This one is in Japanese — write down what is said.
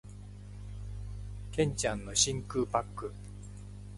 剣ちゃんの真空パック